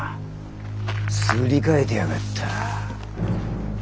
すり替えてやがった。